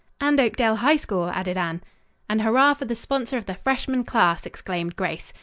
"And Oakdale High School!" added Anne. "And hurrah for the sponsor of the freshman class!" exclaimed Grace.